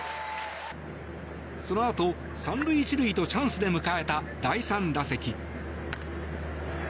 そのあと３塁１塁とチャンスで迎えた第３打席。